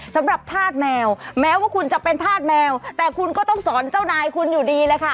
สำหรับธาตุแมวแม้ว่าคุณจะเป็นธาตุแมวแต่คุณก็ต้องสอนเจ้านายคุณอยู่ดีเลยค่ะ